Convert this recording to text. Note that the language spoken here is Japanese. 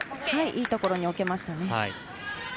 いいところに置けましたね。